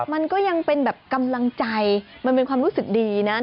มันก็ยังเป็นแบบกำลังใจมันเป็นความรู้สึกดีนะ